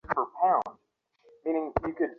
আমি আমার মতো আছি, কাজ নিয়ে।